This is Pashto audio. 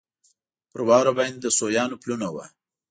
پر واوره باندې د سویانو پلونه وو.